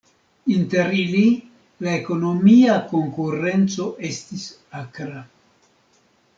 Inter ili, la ekonomia konkurenco estis akra.